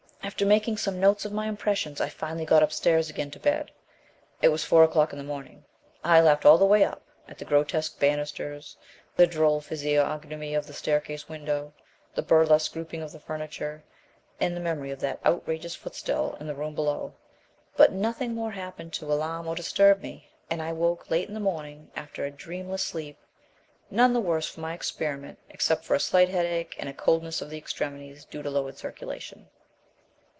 "After making some notes of my impressions I finally got upstairs again to bed. It was four o'clock in the morning. I laughed all the way up at the grotesque banisters, the droll physiognomy of the staircase window, the burlesque grouping of the furniture, and the memory of that outrageous footstool in the room below; but nothing more happened to alarm or disturb me, and I woke late in the morning after a dreamless sleep, none the worse for my experiment except for a slight headache and a coldness of the extremities due to lowered circulation."